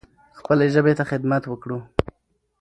خپلې ژبې ته خدمت وکړو.